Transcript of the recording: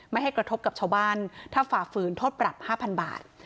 ไม่ให้กระทบกับชาวบ้านถ้าฝ่าฝืนโทษปรับ๕๐๐บาท